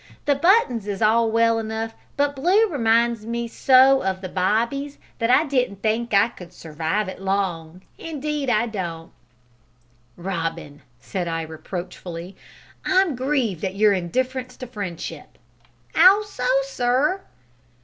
The buttons is all well enough, but blue reminds me so of the bobbies that I don't think I could surwive it long indeed I don't!" "Robin," said I reproachfully, "I'm grieved at your indifference to friendship." "'Ow so, sir?"